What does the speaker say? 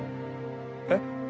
えっ？